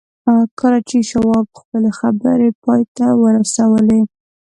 کله چې شواب خپلې خبرې پای ته ورسولې